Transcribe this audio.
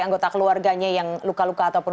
anggota keluarganya yang luka luka ataupun